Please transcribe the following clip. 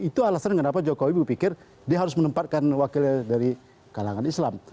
itu alasan kenapa jokowi berpikir dia harus menempatkan wakilnya dari kalangan islam